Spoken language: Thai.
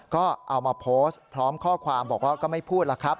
ก็เอามาโพสต์พร้อมข้อความบอกว่าก็ไม่พูดแล้วครับ